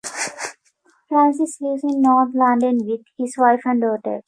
Francis lives in North London with his wife and daughter.